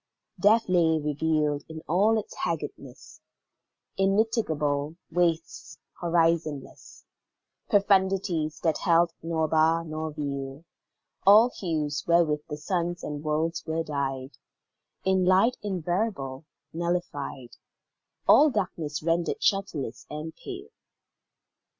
Death lay revealed in all its haggardness Immitigable wastes horizonless; Profundities that held nor bar nor veil; All hues wherewith the suns and worlds were dyed In light invariable nullified; All darkness rendered shelterless and pale.